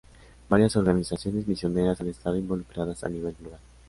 Varias organizaciones misioneras han estado involucradas a nivel global.